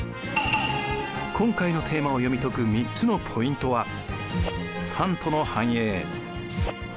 今回のテーマを読み解く３つのポイントは。